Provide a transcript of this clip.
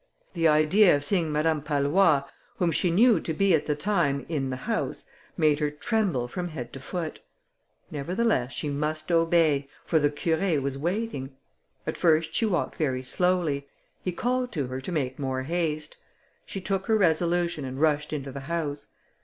The idea of seeing Madame Pallois, whom she knew to be at the time in the house, made her tremble from head to foot. Nevertheless, she must obey, for the Curé was waiting. At first she walked very slowly; he called to her to make more haste: she took her resolution and rushed into the house.